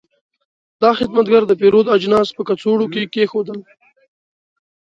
دا خدمتګر د پیرود اجناس په کڅوړو کې کېښودل.